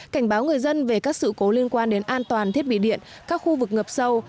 cảnh báo người dân về các sự cố liên quan đến an toàn thiết bị điện các khu vực ngập sâu